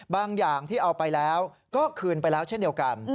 อย่างที่เอาไปแล้วก็คืนไปแล้วเช่นเดียวกัน